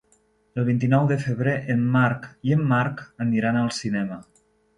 El vint-i-nou de febrer en Marc i en Marc aniran al cinema.